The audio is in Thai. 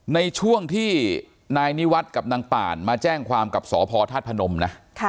ในช่วงที่นายนิวัตรกับนางป่านมาแจ้งความกับสอภอร์ธาตน์ผนมล่ะค่ะ